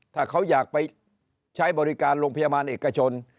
ถ้าเขาอยากไปใช้บริการโรงพยาบาลเอกชน